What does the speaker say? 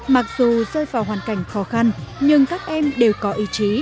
mặc dù rơi vào hoàn cảnh khó khăn nhưng các em đều có ý chí